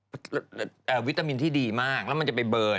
ไม่มีวิตามินที่ดีมากแล้วจะไปเบิร์น